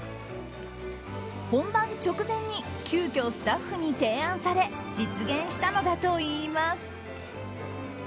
本番直前に急きょスタッフに提案され実現したのだといいます。